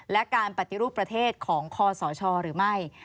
และการปฏิรูปประเทศของคอสชหรือไม่